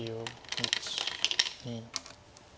１２。